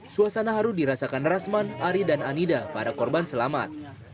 suasana haru dirasakan rasman ari dan anida para korban selamat